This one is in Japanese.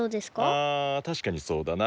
あたしかにそうだな。